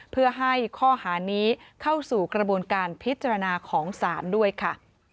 เพื่อให้ข้อหานี้เข้าสู่กระบวนการพิจารณาของศาลด้วยค่ะ